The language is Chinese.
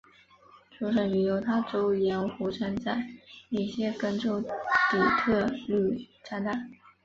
出生于犹他州盐湖城在密歇根州底特律长大。